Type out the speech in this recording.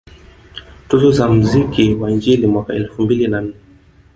Tuzo za mziki wa injili mwaka elfu mbili na nne